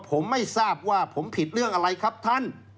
ผมไม่ทราบว่าผมผิดเรื่องอะไรครับท่าน